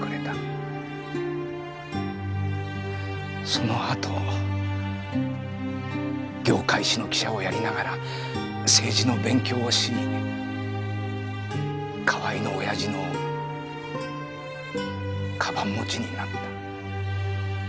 そのあと業界紙の記者をやりながら政治の勉強をし河合のオヤジの鞄持ちになった。